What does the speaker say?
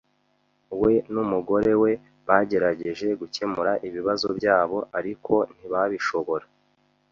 We n'umugore we bagerageje gukemura ibibazo byabo, ariko ntibabishobora.